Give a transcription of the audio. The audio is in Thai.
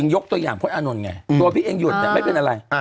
ยกตัวอย่างพลตอานนท์ไงตัวพี่เองหยุดไม่เป็นอะไร